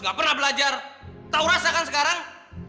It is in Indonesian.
nggak pernah belajar tau rasa kan sekarang